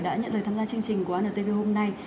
đã nhận lời tham gia chương trình của antv hôm nay